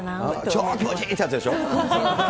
超気持ちいい！ってやつでしょ。